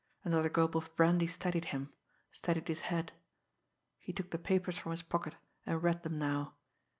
Another gulp of brandy steadied him, steadied his head. He took the papers from his pocket and read them now.